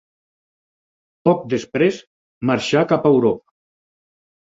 Poc després marxà cap a Europa.